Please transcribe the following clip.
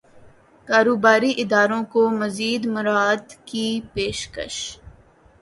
کاروباری اداروں کو مزید مراعات کی پیشکش